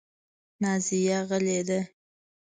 نازیه غلې ده .